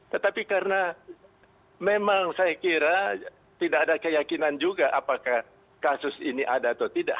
tetapi karena memang saya kira tidak ada keyakinan juga apakah kasus ini ada atau tidak